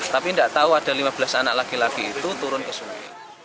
tapi tidak tahu ada lima belas anak laki laki itu turun ke sungai